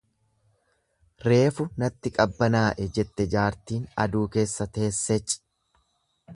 Reefu natti qabbanaa'e jette jaartiin aduu keessa teesseC.